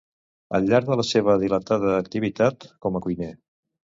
al llarg de la seva dilatada activitat com a cuiner